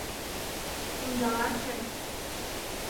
— Ондала чай?